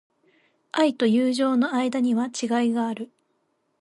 愛と友情の間には違いがある。